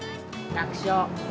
楽勝？